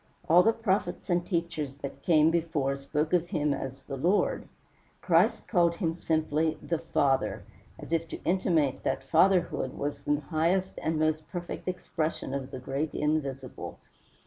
All the prophets and teachers that came before spoke of him as "the Lord." Christ called him simply "THE FATHER," as if to intimate that Fatherhood was the highest and most perfect expression of the great Invisible.